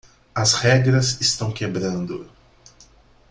As regras estão quebrando.